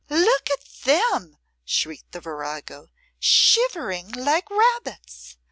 "Look at them!" shrieked the virago, "shivering like rabbits.